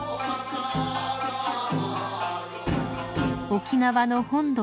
［沖縄の本土